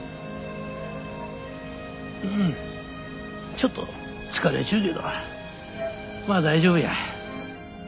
ちょっと疲れちゅうけどまあ大丈夫や。